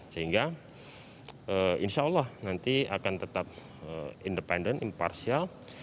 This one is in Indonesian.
sehingga insya allah nanti akan tetap independen imparsial